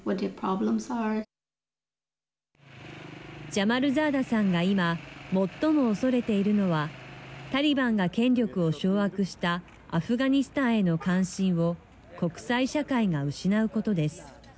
ジャマルザーダさんが今最も恐れているのはタリバンが権力を掌握したアフガニスタンへの関心を国際社会が失うことです。